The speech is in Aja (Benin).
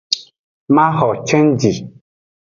Maxo cenji.